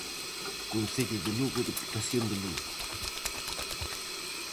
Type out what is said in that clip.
Concello de Lugo-Deputación de Lugo.